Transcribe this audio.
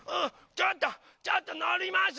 ちょっとちょっとのります！